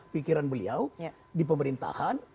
pikiran beliau di pemerintahan